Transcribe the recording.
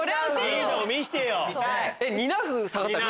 いいとこ見してよ！